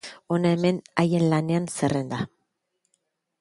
Hona hemen haien lanen zerrenda.